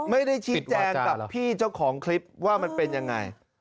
ไม่ได้ชี้แจงกับพี่เจ้าของคลิปว่ามันเป็นยังไง